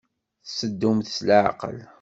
Tetteddumt s leɛqel.